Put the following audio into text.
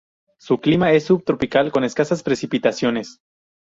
Su clima es subtropical, con escasas precipitaciones.